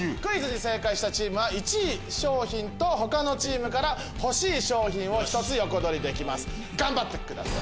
正解したチームは１位の商品と他のチームから欲しい賞品を１つ横取りできます頑張ってください。